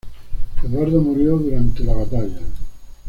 Eduardo murió durante la batalla.